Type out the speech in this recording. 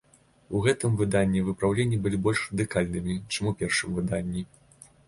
У гэтым выданні выпраўленні былі больш радыкальнымі, чым у першым выданні.